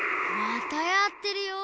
またやってるよ。